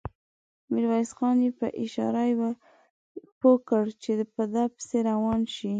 ميرويس خان يې په اشاره پوه کړ چې په ده پسې روان شي.